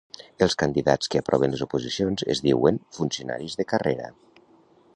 Els candidats que aproven les oposicions es diuen funcionaris de carrera.